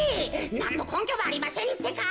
なんのこんきょもありませんってか。